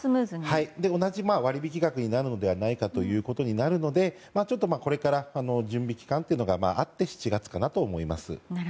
同じ割引額になるのではないかということでこれから準備期間があって７月からかなと思います。